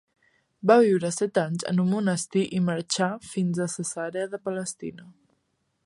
Va viure set anys en un monestir i marxà fins a Cesarea de Palestina.